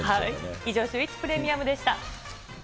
以上、シューイチプレミアム